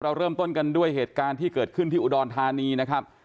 เราเริ่มต้นกันด้วยเหตุการณ์ที่เกิดขึ้นที่อุดรธานีนะครับ